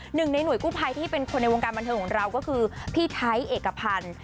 หนึ่งในหน่วยกู้ภัยที่เป็นคนในวงการบันเทิงของเราก็คือพี่ไทยเอกพันธ์